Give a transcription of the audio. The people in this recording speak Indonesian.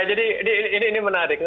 ya jadi ini menarik